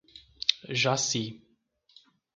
Jaci